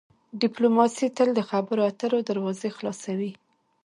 ډیپلوماسي تل د خبرو اترو دروازې خلاصوي.